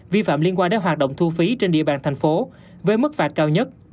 vi phạm liên quan đến hoạt động thu phí trên địa bàn thành phố với mức phạt cao nhất